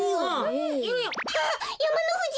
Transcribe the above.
あっやまのふじ！